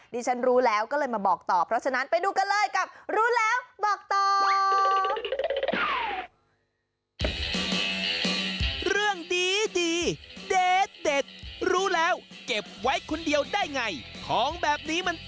ดิฉันรู้แล้วก็เลยมาบอกต่อเพราะฉะนั้นไปดูกันเลยกับ